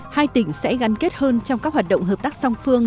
hai tỉnh sẽ gắn kết hơn trong các hoạt động hợp tác song phương